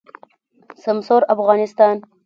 سمسور افغانستان